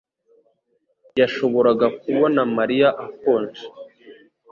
yashoboraga kubona Mariya akonje